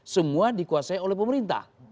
semua dikuasai oleh pemerintah